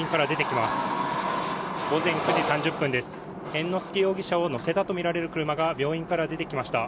猿之助容疑者を乗せたとみられる車が病院から出てきました。